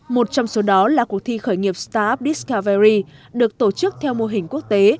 một trong số đó là cuộc thi khởi nghiệp startup discovery được tổ chức theo mô hình quốc tế